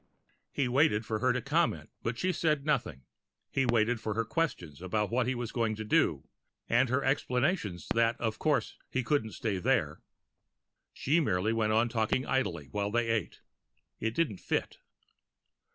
He waited for her to comment, but she said nothing. He waited for her questions about what he was going to do, and her explanations that of course he couldn't stay there. She merely went on talking idly, while they ate. It didn't fit.